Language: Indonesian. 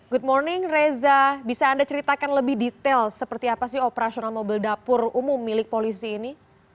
good morning reza bisa anda ceritakan lebih detail seperti apa sih operasional mobil dapur umum milik polisi ini